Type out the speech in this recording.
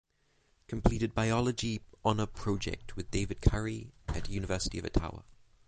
Completed biology honour project with David Currie at University of Ottawa.